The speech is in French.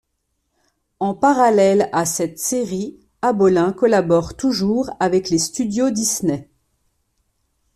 En parallèle à cette série, Abolin collabore toujours avec les Studios Disney.